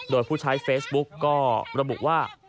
โดยผู้ใช้เฟซบุ๊กก็ระบุว่า